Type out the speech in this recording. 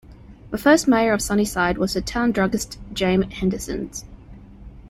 The first mayor of Sunnyside was the town druggist James Henderson.